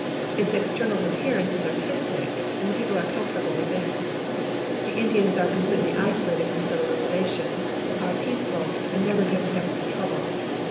Its external appearance is artistic, and the people are comfortable within. 'I'he Indians are completely isolated from civilization, are i)eaeeful, ami never give the government trouble.